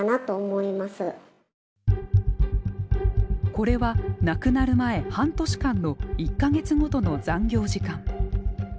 これは亡くなる前半年間の１か月ごとの残業時間。